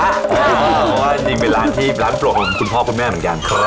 เพราะว่านี่เป็นร้านที่ร้านโปรดของคุณพ่อคุณแม่เหมือนกัน